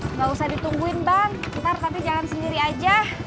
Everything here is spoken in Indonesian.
nggak usah ditungguin bang ntar tapi jangan sendiri aja